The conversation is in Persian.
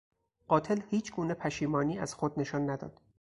قاتل هیچگونه پشیمانی از خود نشان نداد.